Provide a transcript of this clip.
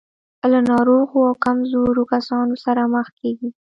له ناروغو او کمزورو کسانو سره مخ کېږي.